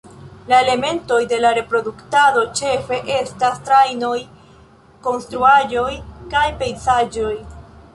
La elementoj de la reproduktado ĉefe estas trajnoj, konstruaĵoj kaj pejzaĝoj.